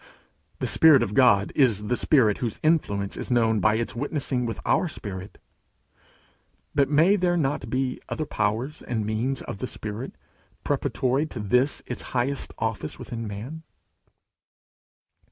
The Spirit of God is the Spirit whose influence is known by its witnessing with our spirit. But may there not be other powers and means of the Spirit preparatory to this its highest office with man?